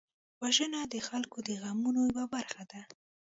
وژنه د خلکو د غمونو یوه برخه ده